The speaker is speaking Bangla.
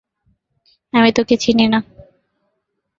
আমি তোমাকে চিনি না।